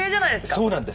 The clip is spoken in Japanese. そうなんです。